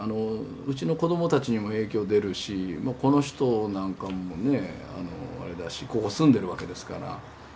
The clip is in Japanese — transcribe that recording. うちの子どもたちにも影響出るしこの人なんかもねあれだしここ住んでるわけですから。